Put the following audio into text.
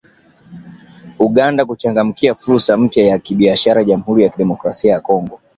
Uganda kuchangamkia fursa mpya za kibiashara Jamhuri ya Kidemokrasia ya Kongo